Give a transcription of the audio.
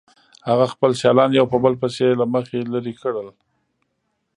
هغه خپل سیالان یو په بل پسې له مخې لرې کړل